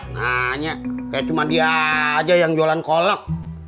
nanya kayak cuma dia aja yang jualan kolak